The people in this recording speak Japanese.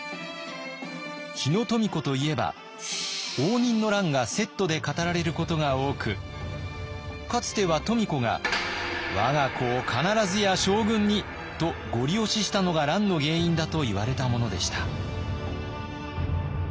日野富子といえば応仁の乱がセットで語られることが多くかつては富子が「我が子を必ずや将軍に」とゴリ押ししたのが乱の原因だといわれたものでした。